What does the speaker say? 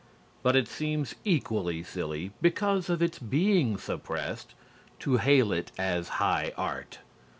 But it seems equally silly, because of its being suppressed, to hail it as high art.